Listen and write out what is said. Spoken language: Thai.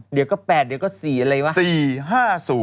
เดี๋ยวก็๘๔อะไรวะ